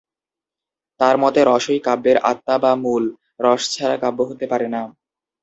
তাঁর মতে রসই কাব্যের আত্মা বা মূল, রস ছাড়া কাব্য হতে পারে না।